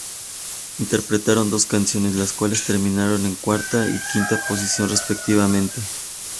Interpretaron dos canciones, las cuales terminaron en cuarta y quinta posición respectivamente.